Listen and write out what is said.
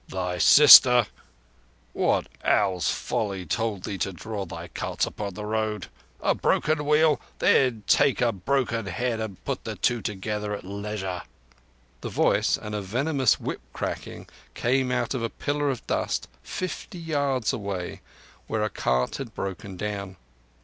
Thy sister—What Owl's folly told thee to draw thy carts across the road? A broken wheel? Then take a broken head and put the two together at leisure!" The voice and a venomous whip cracking came out of a pillar of dust fifty yards away, where a cart had broken down.